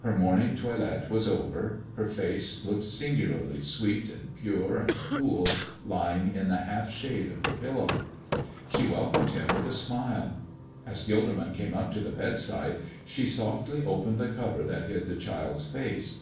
Her morning toilet was over; her face looked singularly sweet and pure and cool lying in the half shade of the pillow. She welcomed him with a smile. As Gilderman came up to the bedside, she softly opened the cover that hid the child's face.